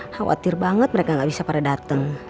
khawatir banget mereka nggak bisa pada dateng